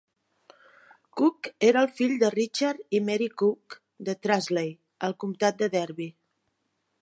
Coke era el fill de Richard y Mary Coke de Trusley, al comtat de Derby.